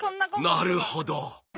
なるほど！